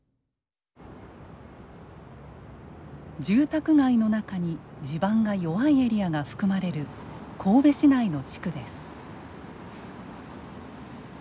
住宅街の中に地盤が弱いエリアが含まれる神戸市内の地区です。